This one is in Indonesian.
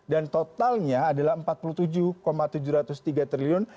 dan totalnya adalah empat puluh tujuh tujuh ratus tiga triliun